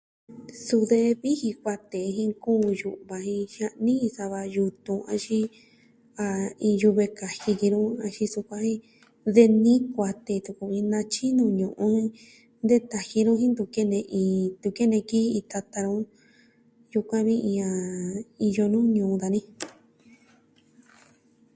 Suu de vijin kuatee jen nkuun yu'va jen jia'ni jin sava yutun axin iin yuve kaji ki nu, axin sukuan jen de nií kuatee tuku natyi nuu ñu'un de taji nu jen ntu kene ki iin tata nu yukuan vi iin a iyo ñuu dani.